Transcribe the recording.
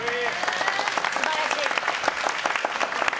素晴らしい！